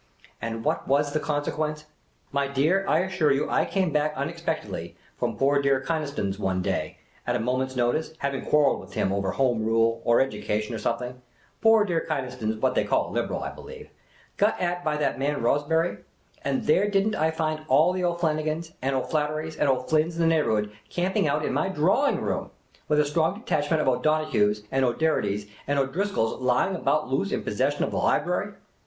And what was the consc j^uence ? My dear, I assure you, I came back un expectedly from poor dear Kynaston's one day — at a mo ment's notice — having quarrelled with him over Home Rule or Education or something — poor dear Kynaston 's what they call a Liberal, I believe — got at by that man Rosebery — and there did n't I find all the O' Flanagans, and O' Flaherty's, and O'Flynns in the neighbourhood camping out in my draw ing room ; with a strong detachment of O'Donohues, and O'Doherty's, and O'Driscolls lying around loose in possession of the library